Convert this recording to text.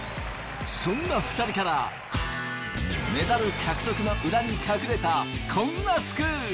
そんな２人からメダル獲得の裏に隠れたこんなスクープ！